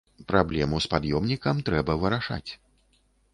Праблему з пад'ёмнікам трэба вырашаць.